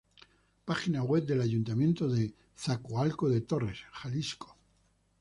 Página Web del ayuntamiento de Zacoalco de Torres, Jalisco.